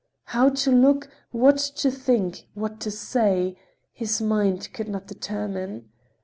How to look, what to think, what to say, his mind could not determine.